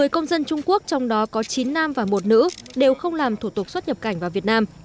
một mươi công dân trung quốc trong đó có chín nam và một nữ đều không làm thủ tục xuất nhập cảnh vào việt nam